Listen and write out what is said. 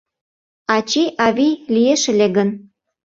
Ачи-авий лиеш ыле гын